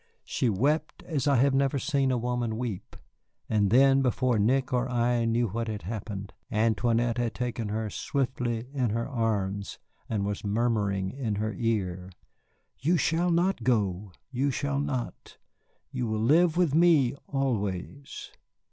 She wept as I have never seen a woman weep. And then, before Nick or I knew what had happened, Antoinette had taken her swiftly in her arms and was murmuring in her ear: "You shall not go. You shall not. You will live with me always."